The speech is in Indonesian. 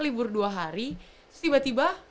libur dua hari terus tiba tiba